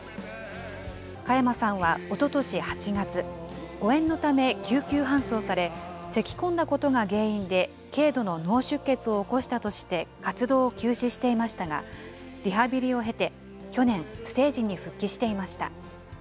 加山さんはおととし８月、誤えんのため救急搬送され、せきこんだことが原因で軽度の脳出血を起こしたとして活動を休止していましたが、リハビリを経て去年、ステージに復帰していました。